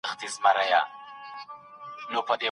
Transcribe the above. مستري کولای سي په اوږه باندي ګڼ توکي راوړي.